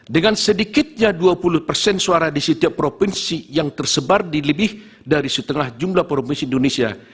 dengan sedikitnya dua puluh persen suara di setiap provinsi yang tersebar di lebih dari setengah jumlah provinsi indonesia